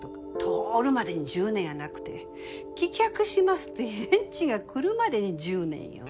通るまでに１０年やなくて棄却しますって返事が来るまでに１０年よ？